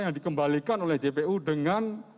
yang dikembalikan oleh jpu dengan